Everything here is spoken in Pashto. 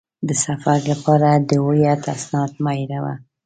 د سفر لپاره د هویت اسناد مه هېروه.